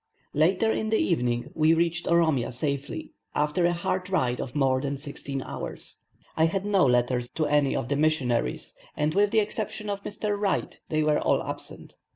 Late in the evening, we reached Oromia safely, after a hard ride of more than sixteen hours. I had no letters to any of the missionaries, and with the exception of Mr. Wright, they were all absent.